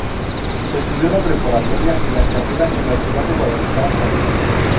Estudió la preparatoria y la carrera en la ciudad de Guadalajara, Jalisco.